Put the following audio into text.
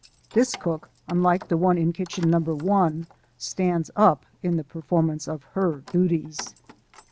This cook, unlike the one in kitchen No. 1, stands up in the performance of her duties.